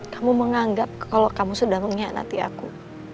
kamu menganggap kalau kamu sudah mengkhianati aku